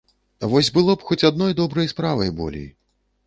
Вось было б хоць адной добрай справай болей.